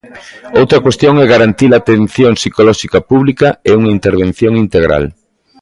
Outra cuestión é garantir a atención psicolóxica pública e unha intervención integral.